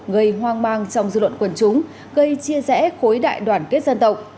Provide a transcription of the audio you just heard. gây hoang mang trong dư luận quần chúng gây chia rẽ khối đại đoàn kết dân tộc